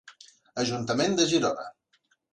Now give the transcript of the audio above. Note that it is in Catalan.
Ajuntament de Girona.